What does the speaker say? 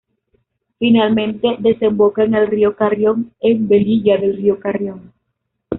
Finalmente desemboca en el río Carrión en Velilla del Río Carrión.